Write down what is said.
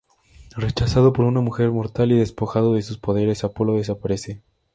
Rechazado por una mujer mortal, y despojado de sus poderes, Apolo desaparece.